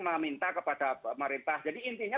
meminta kepada pemerintah jadi intinya